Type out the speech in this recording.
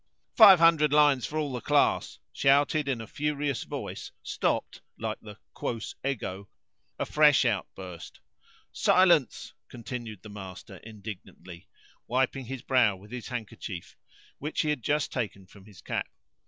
"Five hundred lines for all the class!" shouted in a furious voice stopped, like the Quos ego, a fresh outburst. "Silence!" continued the master indignantly, wiping his brow with his handkerchief, which he had just taken from his cap.